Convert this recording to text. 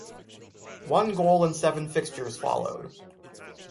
One goal in seven fixtures followed.